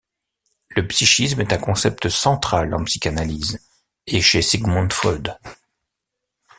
Le psychisme est un concept central en psychanalyse et chez Sigmund Freud.